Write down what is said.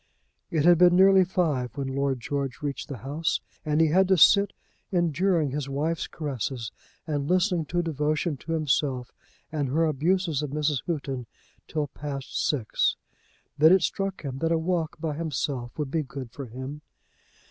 It had been nearly five when Lord George reached the house, and he had to sit enduring his wife's caresses, and listening to devotion to himself and her abuses of Mrs. Houghton till past six. Then it struck him that a walk by himself would be good for him.